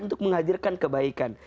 untuk menghadirkan kebaikan